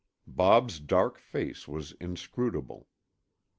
Bob's dark face was inscrutable.